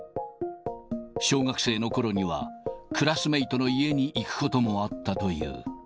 小学生のころには、クラスメートの家に行くこともあったという。